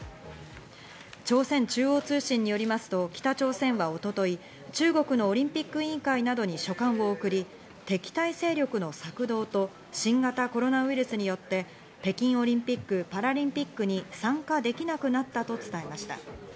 朝鮮中央通信によりますと北朝鮮は一昨日、中国のオリンピック委員会などに書簡を送り、敵対勢力の策動と新型コロナウイルスによって北京オリンピック・パラリンピックに参加できなくなったと伝えました。